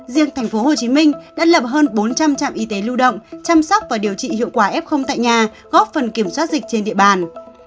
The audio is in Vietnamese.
riêng tp hcm đã lập hơn bốn trăm linh trạm y tế lưu động chăm sóc và điều trị hiệu quả f tại nhà góp phần kiểm soát dịch trên địa bàn